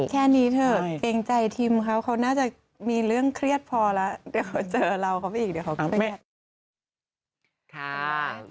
แค่นี้เถอะเกรงใจทีมเขาเขาน่าจะมีเรื่องเครียดพอแล้วเดี๋ยวเขาเจอเราเข้าไปอีกเดี๋ยวเขาก็เลยเครียด